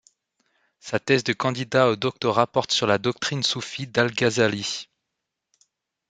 Sa thèse de candidat au doctorat porte sur la doctrine soufi d'Al-Ghazâlî.